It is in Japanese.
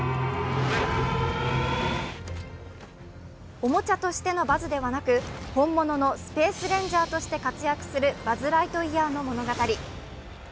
おもちゃとしてのバズではなく、本物のスペースレンジャーとして活躍するバズ・ライトイヤーの物語。